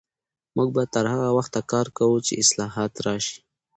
موږ به تر هغه وخته کار کوو چې اصلاحات راشي.